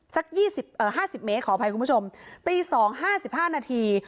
สักยี่สิบเอ่อห้าสิบเมตรขออภัยคุณผู้ชมตีสองห้าสิบห้านาที